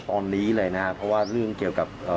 ตอนนี้เลยนะครับเพราะว่าเรื่องเกี่ยวกับ